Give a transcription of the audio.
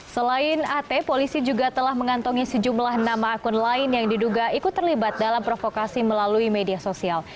selain at polisi juga telah mengantongi sejumlah nama akun lain yang diduga ikut terlibat dalam provokasi melalui media sosial